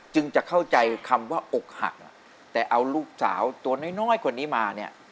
จะเข้าใจคำว่าอกหักแต่เอาลูกสาวตัวน้อยคนนี้มาเนี่ย